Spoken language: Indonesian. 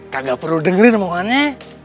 kagak perlu dengerin omongannya